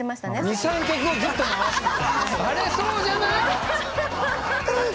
２３曲をずっと回してた⁉バレそうじゃない⁉ヤバっ！